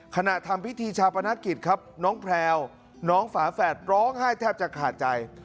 ขณะทำพิธีชาปนกิจครับน้องแพลวน้องฝาแฝดร้องไห้แทบจะขาดใจ